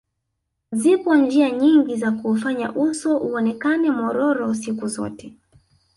Zipo njia nyingi za kuufanya uso uonekane mwororo siku zote